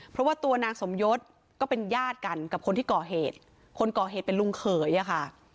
เพราะว่าตัวนางสมยศก็เป็นญาติกันกับคนที่ก่อเหตุคนก่อเหตุเป็นลุงเขยอะค่ะ